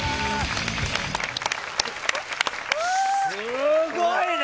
すごいね。